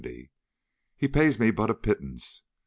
He pays me but a pittance.